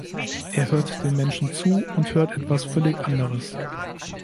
Er hört den Menschen zu und hört etwas völlig anderes.